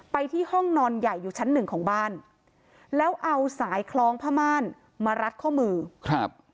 ไปที่ห้องนอนใหญ่อยู่ชั้นหนึ่งของบ้านแล้วเอาสายคล้องผ้าม่านมารัดข้อมือครับ